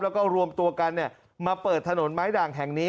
แล้วก็รวมตัวกันมาเปิดถนนไม้ด่างแห่งนี้